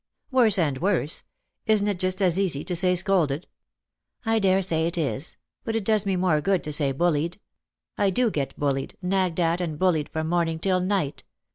" Worse and worse. Isn't it just as easy to say scolded ?"" I daresay it is ; but it does me more good to say bullied. I do get bullied, nagged at and bullied from morning till night.